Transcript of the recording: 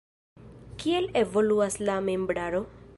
Kiel evoluas la membraro?